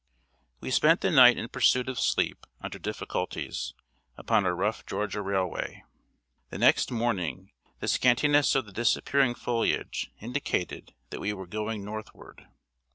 ] We spent the night in pursuit of sleep under difficulties, upon a rough Georgia railway. The next morning, the scantiness of the disappearing foliage indicated that we were going northward.